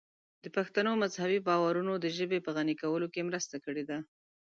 د پښتنو مذهبي باورونو د ژبې په غني کولو کې مرسته کړې ده.